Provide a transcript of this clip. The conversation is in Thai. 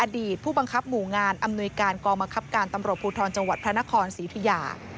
ผู้บังคับหมู่งานอำนวยการกองบังคับการตำรวจภูทรจังหวัดพระนครศรีธุยา